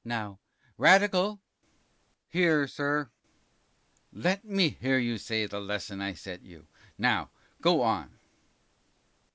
Now Radical P. Here, sir. T. Let me hear you say the lesson I set you now, go on.